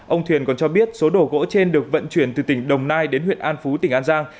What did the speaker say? ông thuyền còn cho biết số đồ gỗ trên được vận chuyển từ tỉnh đồng nai đến huyện an phú tỉnh an giang